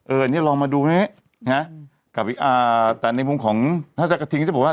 อันนี้ลองมาดูนะฮะกับอ่าแต่ในมุมของท่านเจ้ากระทิงจะบอกว่า